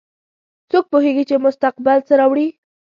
څوک پوهیږي چې مستقبل څه راوړي